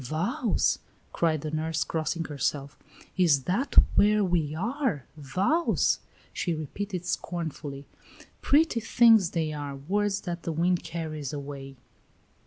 "Vows!" cried the nurse, crossing herself. "Is that where we are! Vows!" she repeated, scornfully; "pretty things they are words that the wind carries away."